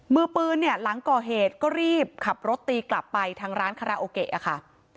มือปืนเนี่ยหลังก่อเหตุก็รีบขับรถตีกลับไปทางร้านคาราโอเกะอะค่ะ